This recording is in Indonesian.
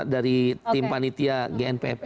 dari tim panitia gnpf